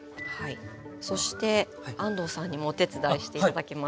そして安藤さんにもお手伝いして頂きます。